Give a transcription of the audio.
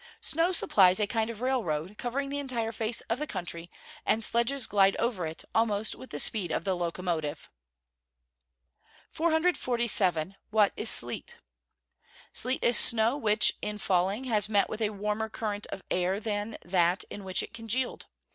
Snow supplies a kind of railroad, covering the entire face of the country, and sledges glide over it, almost with the speed of the locomotive. 447. What is sleet? Sleet is snow which, in falling, has met with a warmer current of air than that in which it congealed.